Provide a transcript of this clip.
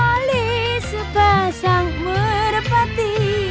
dua sejali sepasang merpati